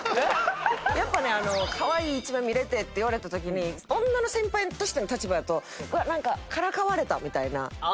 やっぱね「かわいい一面見れて」って言われた時に女の先輩としての立場やと「うわっなんかからかわれた」みたいな。